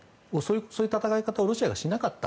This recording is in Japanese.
そういう戦いをロシアがしなかった。